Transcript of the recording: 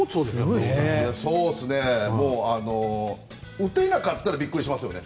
打てなかったらビックリしますよね。